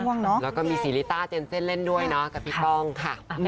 ใช่แล้วก็มีศรีริตาเจนเส้นเล่นด้วยกับพี่ป้องค่ะ